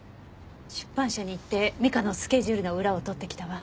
出版社に行って美香のスケジュールの裏を取ってきたわ。